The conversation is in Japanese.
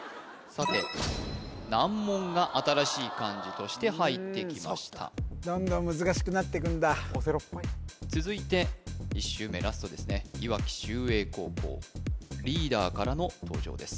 さて難問が新しい漢字として入ってきましたオセロっぽい続いて１周目ラストですねいわき秀英高校リーダーからの登場です